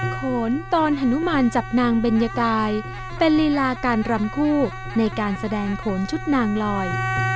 โขนตอนฮนุมานจับนางเบญกายเป็นลีลาการรำคู่ในการแสดงโขนชุดนางลอย